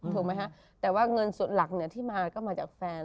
ถูกมั้ยฮะแต่ว่าเงินสุดหลักเนี่ยที่มาก็มาจากแฟน